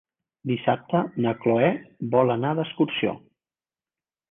Dissabte na Cloè vol anar d'excursió.